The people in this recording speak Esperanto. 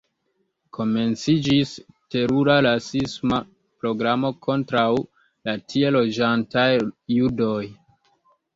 Komenciĝis terura rasisma programo kontraŭ la tie loĝantaj judoj.